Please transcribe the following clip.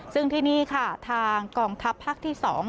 ซึ่งที่นี่ค่ะทางกองทัพภักดิ์ที่สอง